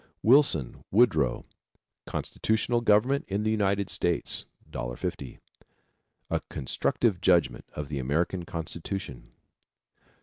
Wilson, Woodrow, Constitutional Government in the United States. $1.50. A constructive judgment of the American constitution.